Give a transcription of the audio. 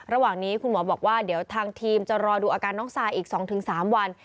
ระหว่างนี้คุณหมอบอกว่าเดี๋ยวทางทีมจะรอดูอาการน้องซายอีก๒๓วัน